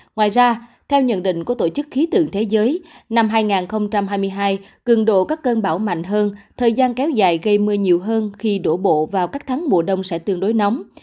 ngoài ra theo nhận định của tổ chức khí tượng thế giới năm hai nghìn hai mươi hai cường độ các cơn bão mạnh hơn thời gian kéo dài gây mưa nhiều hơn khi đổ bộ vào các tháng mùa đông sẽ tương đối nóng